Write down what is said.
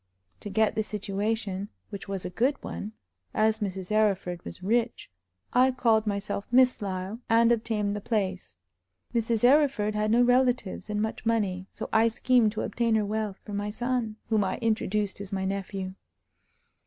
To get the situation, which was a good one, as Mrs. Arryford was rich, I called myself Miss Lyle, and obtained the place. Mrs. Arryford had no relatives and much money, so I schemed to obtain her wealth for my son, whom I introduced as my nephew.